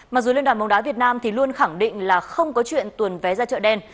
mặc dù liên đoàn bóng đá việt nam thì luôn khẳng định là không có chuyện tuần vé ra chợ đen